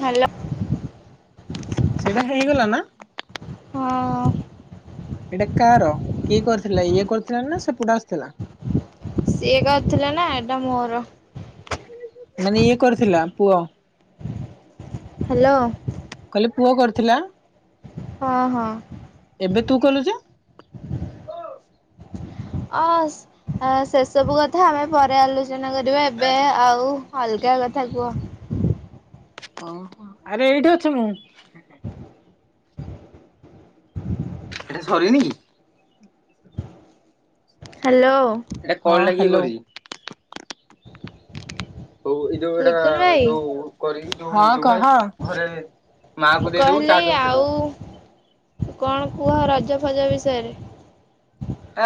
Hello. ସେଇଟା ହେଇଗଲା ନା। ହଁ। ଏଇଟା କାର କିଏ କରିଥିଲା ଇଏ କରିଥିଲା ନା ସେ ପଟେ ଆସିଥିଲା। ସିଏ କରିଥିଲା ନା ଏଟା ମୋର। ମାନେ ଇଏ କରିଥିଲା ପୁଅ। ହାଲୋ। କାଲି ପୁଅ କରିଥିଲା ହଁ ହଁ [inaudible] ଏବେ ତୁ କଲୁଯେ? ଅ ସେ ସେସବୁ କଥା ଆମେ ପରେ ଆଲୋ ଆଲୋଚନା କରିବା ଏବେ ଆଉ ଅଲଗା କଥା କୁହ? ଓହୋ ଆରେ ଏଇଠି ଅଛ ମୁଁ। ସରନି? ହାଲୋ! ଏଇଟା କଣ ଲାଗିଲ ହଉ ଏଇ ଯୋଉ ଏଇଟା ଲିକୁନ ଭାଇ ଯୋଉ କରିକି ଯୋଉ କହ ଘରେ ମା ମୁଁ କୁ ଦେଇଦବୁ କହିଲି ଚାର୍ଜ ଵସେଇ ଆଉ ଦବ। କଣ କୁହ ରଜ ଫଜ ବିଷୟରେ?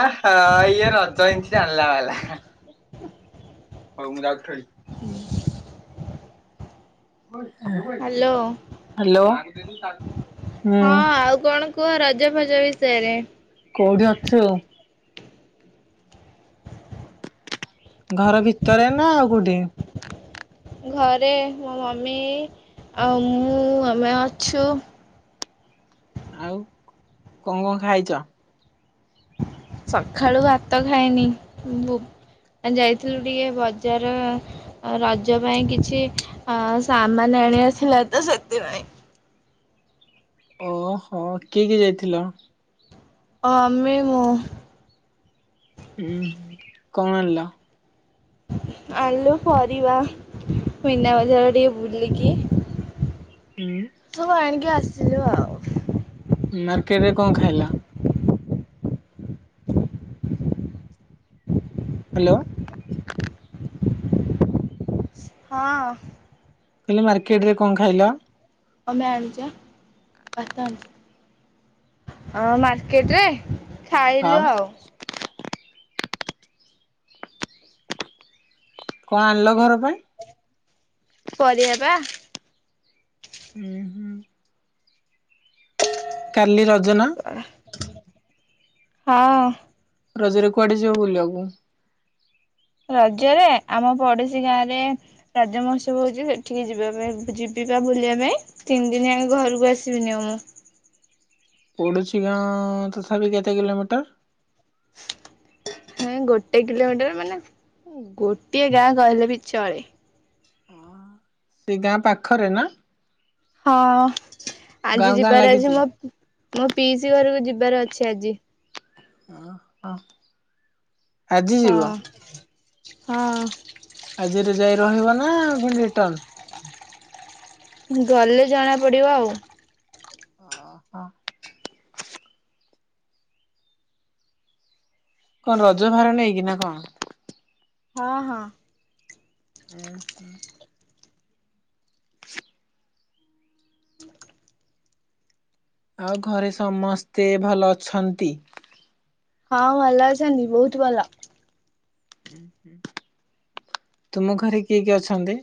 ଆ ହ ଇଏ ରଜ [unintelligible] ଚାଲିଲା ବାଲା। ହଉ ମୁଁ ଯାଉଚି ଖେଳି। ହ୍ୟାଲୋ [unintelligible] ହ୍ୟାଲୋ ହଁ ଆଉ ହୁଁ। କଣ କୁହ ରଜ ଫଜ ବିଷୟରେ? କୋଉଠି ଅଛୁ? ଘର ଭିତରେ ନା ଆଉ କୋଉଠି? ଘରେ ମୋ ମମି ଆଉ ମୁଁ ଆମେ ଅଛୁ [unintelligible] ଆଉ କଣ କଣ ଖାଇଛ? ସକାଳୁ ଭାତ ଖାଇନି ଯାଇଥିଲୁ ଟିକେ ବଜାର ରଜ ପାଇଁ କିଛି ଆ ସାମାନ ଆଣିବାରଥୀଲାତ ସେଥି ଭାଇଁ। ଓହୋ କିଏ କିଏ ଯାଇଥିଲା? ମମି ମୁ। ହୁଁ କଣ ଆଣିଲ? ଆଲୁ ପରିବା ମିନା ବଜାର ଟିକେ ବୁଲିକି ଉଁ ସୁ ଆଣିକି ଆସିଲୁ ଆଉ ମାର୍କେଟ ରେ କଣ ଖାଇଲା? ହ୍ୟାଲୋ! ହଁ। କହିଲ ମାର୍କେଟ ରେ କଣ ଖାଇଲ? [unintelligible] ହଁ ମାର୍କେଟ ରେ ହଁ ଖାଇଲୁ ଆଉ। କଣ ଆଣିଲ ଘର ପାଇଁ? ପରିବା ପା। ହୁଁ ହୁଁ। କାଲି ରଜ ନା? ପା ହଁ। ରଜରେ କୁଆଡେ ଯିବ ବୁଲ ଆକୁ? ରଜରେ ଆମ ପଡୋଶୀ ଗାଁ ରେ ରାଜ ମହୋତ୍ସବ ହଉଛି, ସେଠିକେ ଯିବା ପାଇଁ ଯିବି ଜିବା ବୁଲିବା ପାଇଁ ତିନି ଦିନୀ ଯକ ଘରକୁ ଆସିବିନି ଆଉ ମୁଁ। ପଡସି ଗାଁ ତଥାପି କେତେ କିଲୋମିଟର ହଁ ଗୋଟେ କିଲୋମିଟର୍ ମାନେ ଗୋଟିଏ ଗାଁ କହିଲେ ବି ଚଳେ ସେ ଗାଁ ପାଖରେ ନା? ହଁ ଆଜି ଗାଁ ଗାଁ ଯିବାର ଅଛି ଲାଗିଛି? ମୋ ମୋ ପିଇସି ଘରକୁ ଯିବି। ଜୀବାର ଅଛି ଆଜି। ଓ ହ ଆଜି ହଁ ଯିବ? ହଁ। ଆଜିରେ ଯାଇ ରହିବ ନା ପଣି ରିଟନ୍? ଗଲେ ଜଣା ପଡିବ ଆଉ। ଓ ହୋ। କଣ ରଜ ଭାର ନେଇକି ନା କଣ? ହଁ, ହଁ। ହୁଁ, ହୁଁ। ଆଉ ଘରେ ସମସ୍ତେ ଭଲ ଅଛନ୍ତି? ହଁ ଭଲ ଅଛନ୍ତି ବୋହୁତ ଭଲ। ତୁମ ଘରେ କିଏ କିଏ ଅଛନ୍ତି?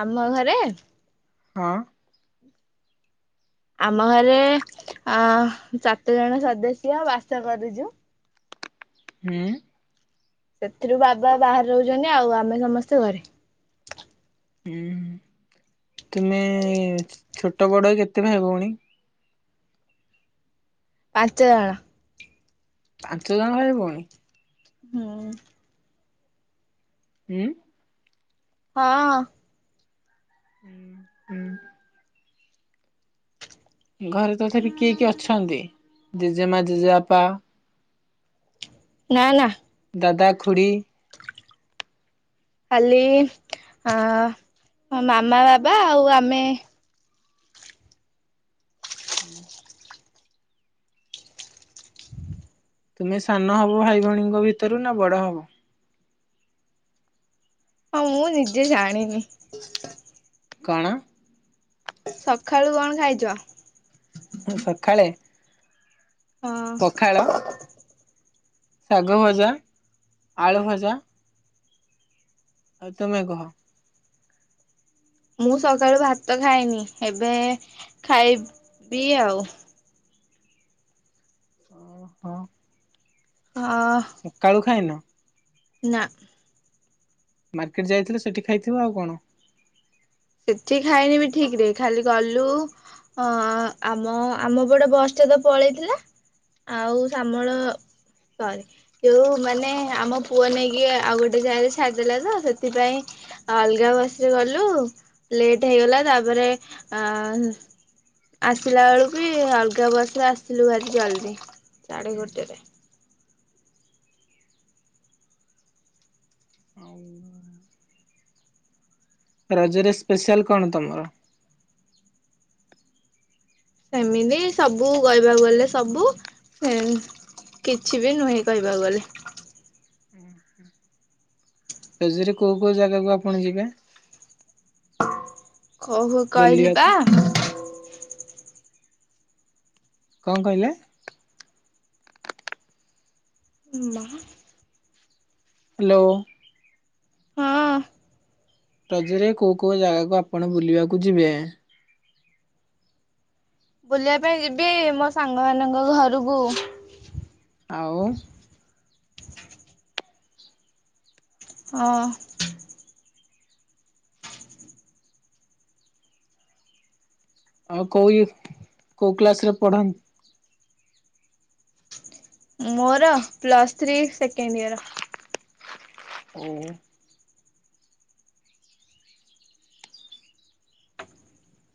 ଆମ ଘରେ ହଁ। ଆମ ଘରେ ଆ ସାତ ଜଣ ସଦସ୍ୟ ବାସ କରିଚୁ। ହୁଁ। ସେଥିରୁ ବାବା ବାହାରେ ରହୁଚନ୍ତି ଆଉ ଆମେ ସମସ୍ତେ ଘରେ। ହୁଁ ତୁମେ ଛୋଟ ବଡ କେତେ ଭାଇ ଭଉଣୀ? ପାଞ୍ଚଜଣ। ପାଞ୍ଚ ଜଣ ଭାଇ ଭଉଣୀ। ହୁଁ। ଉଁ। ହଁଅ। ହୁଁ, ହୁଁ। ଘରେ ତଥାପି କିଏ କିଏ ଅଛନ୍ତି ଜେଜେମା ଜେଜେବାପା? ନା ନା। ଦାଦା ଖୁଡ଼ି। ଖାଲି ଅଂ ମୋ ମାମା ବାବା ଆଉ ଆମେ। ହୁଁ। ତୁମେ ସାନ ହବ ଭାଇ ଭଉଣୀଙ୍କ ଭିତରୁ ନା ବଡ ହବ? ମୁଁ ନିଜେ ଜାଣିନି। କଣ? ସଖାଳୁ କଣ ଖାଇଚ? ହୁଁ ସଖାଳେ ହଁ। ଶାଗ ଭଜା, ଆଳୁ ଭଜା। ଆଉ ତମେ କହ। ମୁଁ ସକାଳୁ ଭାତ ଖାଇନି ଏବେ ଖାଇ ବି ଆଉ। ଓ ହୋ। ଅ ସକାଳୁ ଖାଇନ। ନା। ମାର୍କେଟ୍ ଯାଇଥିଲ ସେଠି ଖାଇଥିବ ଆଉ କଣ। ସେଠି ଖାଇନି ବି ଠିକ୍ ରେ ଖାଲି ଗଲୁ ଅ ଆମ ଆମ ପଟ ବସ୍ ଟା ତ ପଳେଇଥିଲା। ଆଉ ଶାମଳ ସରି ଯୋଉ ମାନେ ଆମ ପୁଅ ନେଇକି ଆଉ ଗୋଟେ ଜାଗାରେ ଛାଡିଦେଲା ତ ସେଥିପାଇଁ ଅଲଗା ବସ୍ ରେ ଗଲୁ ଲେଟ୍ ହେଇଗଲା ତାପରେ ଅଂ ଆସିଲା ବେଳକୁ ବି ଅଲଗା ବସ୍ ରେ ଆସିଲୁ ଭାରି ଜଲ୍ଦି। ସାଢେ ଗୋଟେରେ। ଆଉ ରଜରେ ସ୍ପେଶିଆଲ କଣ ତମର? ସେମିତି ସବୁ କହିବାକୁ ଗଲେ ସବୁ ଏଂ କିଛି ବି ନୁହେଁ କହିବାକୁ ଗଲେ। ରଜରେ କୋଉ କୋଉ ଜାଗାକୁ ଆପଣ ଯିବେ? କୋହୁ କ‌ହିଲିପା। ବୁଲିବାକୁ? କଣ କହିଲେ? ମାହା ହେଲୋ। ରଜରେ କୋଉ କୋଉ ଜାଗାକୁ ଆପଣ ବୁଲିବାକୁ ଯିବେ? ବୁଲିବା ପାଇଁ ଯିବି ମୋ ସାଙ୍ଗ ମାନଙ୍କ ଘରୁକୁ। ଆଉ। ହଁ। ଆଉ କୋଉ କୋଉ କ୍ଲାସ ରେ ପଢନ୍ତି। ମୋର ପ୍ଲସ୍ ଥ୍ରୀ ସେକେଣ୍ଡ ଇୟର। ଓ।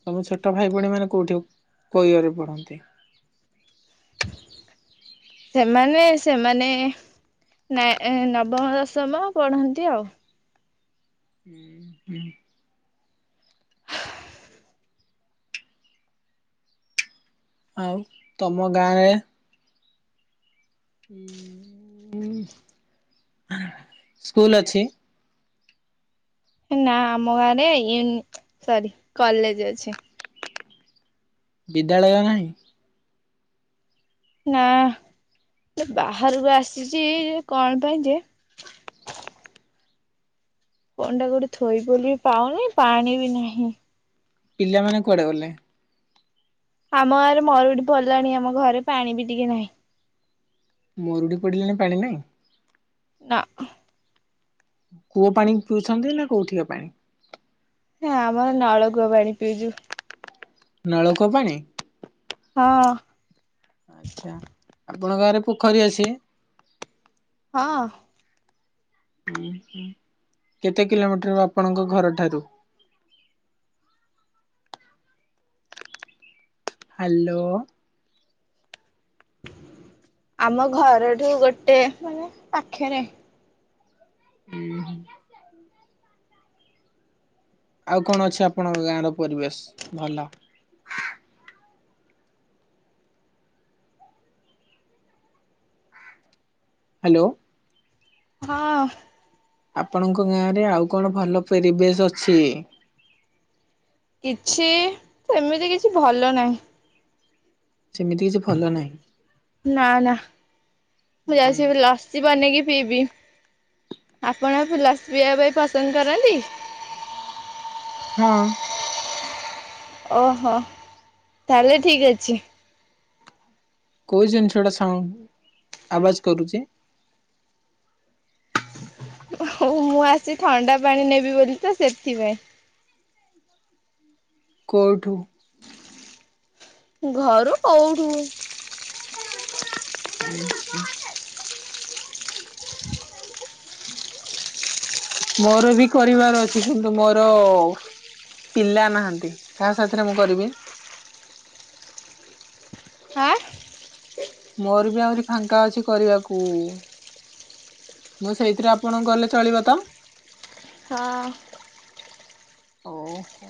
ତମ ଛୋଟ ଭାଇ ଭଉଣୀ ମାନେ କୋଉଠୁ କୋଉ ୟରରେ ପଢ଼ନ୍ତି? ସେମାନେ ସେମାନେ ନା ଏ ନବମ ଦଶମ ପଢନ୍ତି ଆଉ। ହୁଁ ହୁଁ। ଆଉ ତମ ଗାଁରେ ସ୍କୁଲ ଅଛି। ନା ଆମ ଗାଁରେ ଇନ୍ ସରି କଲେଜ୍ ଅଛି। ବିଦ୍ୟାଳୟ ନାହିଁ? ନାଁ। ବାହାରକୁ ଆସିଛି କଣ ପାଇଁ ଯେ ଫୋନ ଟା କଇଠି ଥୋଇବି ବୋଲି ପାଉନି ପାଣି ବି ନାହିଁ। ପିଲାମାନେ କୁଆଡେ ଗଲେ? ଆମ ଗାଁରେ ମରୁଡି ପଡଡ଼ିଲାଣି ଆମ ଘରେ ପାଣି ବି ଟିକେ ନାହିଁ। ମରୁଡି ପଡିଲାଣି ପାଣି ନାହିଁ। ନା ଉଁ କୂଅ ପାଣି ପିଉଛନ୍ତି ନା କୋଉଥିର ପାଣି। ହଁ ଆମର ନଳକୂଅ ପାଣି ପିଉଛୁ। ନଳକୂଅ ପାଣି? ହଁ। ଆଛା ଆପଣଙ୍କ ଗାଁରେ ପୋଖରୀ ଅଛି? ହଁ। କେତେ କିଲୋମିଟର ଆପଣଙ୍କ ଘର ଠାରୁ? ହ୍ୟାଲୋ। ଆମ ଘରଠୁ ଗୋଟେ ମାନେ ପାଖେରେ। ହୁଁ ହୁଁ। ଆଉ କଣ ଅଛି ଆପଣଙ୍କ ଗାଁ ର ପରିବେଶ ଭଲ। ହ୍ୟାଲୋ। ହଁ, ଆପଣଙ୍କ ଗାଁ ରେ ଆଉ କଣ ଭଲ ପେରିବେଶ ଅଛି। କିଛି ଏମିତି କିଛି ଭଲ ନାହିଁ। ସେମିତି କିଛି ଭଲ ନାହିଁ। ନା ନା ମୁଁ ଯାଇଛି ଏବେ ଲସି ବନେଇକି ପିଇବି। ଆପଣ ଲସି ପିଇବା ପାଇଁ ପସନ୍ଦ କରନ୍ତି? ହଁ। ଓହୋ ତାହଲେ ଠିକ ଅଛି। କୋଉ ଜିନିଷଟା ସାଉ ଆବାଜ କରୁଛି? ହ ମୁଁ ଆସି ଥଣ୍ଡା ପାଣି ନେବି ବୋଲି ତ ସେଥିପାଇଁ। କଉଠୁ? ଘରୁ କଉଠୁ। [inaudible] ମୋର ବି କରିବାର ଅଛି କିନ୍ତୁ ମୋର ପିଲା ନାହାଁନ୍ତି। କାହା ସାଥିରେ ମୁଁ କରିବି? ଆଁ? ମୋର ବି ଆହୁରି ଫାଙ୍କା ଅଛି କରିବାକୁ ମୁଁ ସେଇଥିରେ ଆପଣଙ୍କୁ କଲେ ଚଳିବ ତ? ହଁ। ଓହୋ।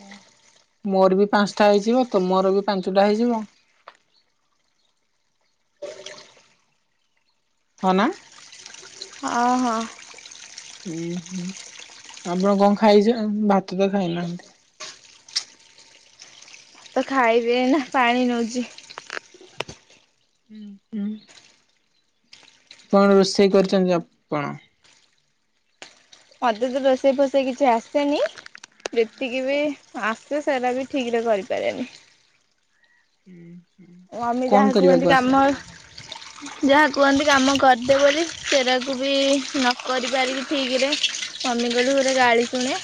ମୋର ବି ପାଞ୍ଚଟା ହେଇଯିବ, ତୁମର ବି ପାଞ୍ଚୁଟା ହେଇଯିବ। ହଁ ନା? ହଁ। ହୁଁ ହୁଁ ଆପଣ କଣ ଖାଇଛନ ଭାତ ତ ଖାଇନାହାଁନ୍ତି। ତ ଖାଇବେ ନା ପାଣି ନଉଚି। ହୁଁ। କଣ ରୋଷେଇ କରିଚନ୍ତି ଆପଣ? ମତେ ତ ରୋଷେଇ ଫୋଷେଇ କିଛି ଆସେନି ଯେତିକି ବି ଆସେ ସେଇରା ବି ଠିକରେ କରିପାରେନି। ହୁଁ। ଓ ଆମେ ଯାହା କୁହନ୍ତି କି ଆମ ଯାହା କୁହନ୍ତି କାମ କରିଦେ ବୋଲି, ସେଇରାକୁ ବି ନ କରିପାରିକି ଠିକରେ ସ୍ୱାମୀଙ୍କଠୁ ଗୋରେ ଗାଳି ଶୁଣେ,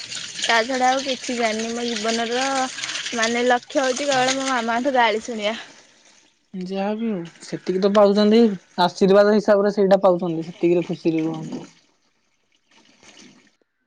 ତା ଛଡ଼ା ଆଉ କିଛି ଜାଣିନି ମୋ ଜୀବନର ମାନେ ଲକ୍ଷ୍ୟ ହଉଛି କେବଳ ମୋ ମାମାଙ୍କଠୁ ଗାଳି ଶୁଣିବା। ଯାହାବି ହଉ ସେତିକି ତ ପାଉଛନ୍ତି, ଆଶୀର୍ବାଦ ହିସାବରେ ସେଇଟା ପାଉଛନ୍ତି ସେତିକିରେ ଖୁସିରେ ରୁହ ହନ୍ତୁ। [inaudible]